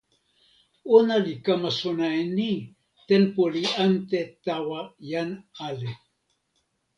ona li kama sona e ni: tenpo li ante tawa jan ale.